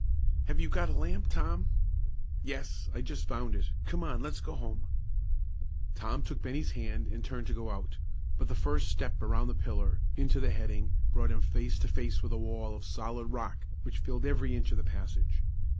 "Have you got a lamp, Tom?" "Yes; I just found it; come on, let's go home." Tom took Bennie's hand and turned to go out, but the first step around the pillar, into the heading, brought him face to face with a wall of solid rock which filled every inch of the passage.